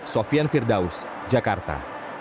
sofian firdaus jakarta